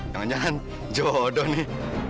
jangan jangan jodoh nih